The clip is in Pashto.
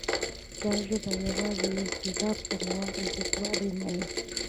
دا ژبه یوازې د یو سېلاب کموالی او زیاتوالی مني.